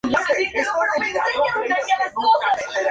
Al acabar la Guerra Civil Española se instaló en Toulouse.